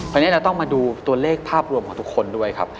ตอนนี้เราต้องมาดูตัวเลขภาพรวมของทุกคนด้วยครับ